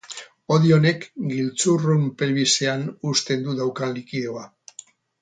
Hodi honek giltzurrun pelbisean husten du daukan likidoa.